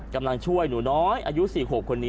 กำลังช่วยหนูน้อยอายุ๔ขวบคนนี้